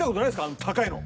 あの高いの。